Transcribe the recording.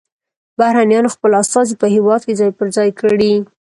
بهرنیانو خپل استازي په هیواد کې ځای پر ځای کړي